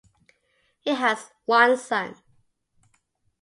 He has one son.